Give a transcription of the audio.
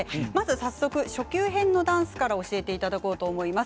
早速、初級編のダンスから教えていただこうと思います。